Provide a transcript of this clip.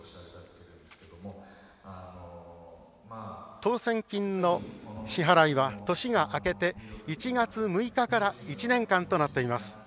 当せん金の支払いは年が明けて１月６日から１年間となっています。